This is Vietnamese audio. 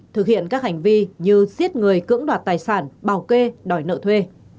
thực hiện các hành vi như giết người cưỡng đoạt tài sản bảo kê đòi nợ thuê